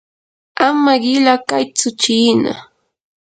ama qila kaytsu chiina.